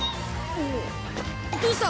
どうした？